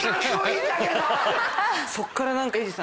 ⁉そっから何か。